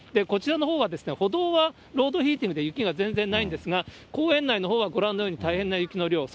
こちらのほうは、歩道はロードヒーティングで雪が全然ないんですが、公園内のほうは、ご覧のように大変な雪の量。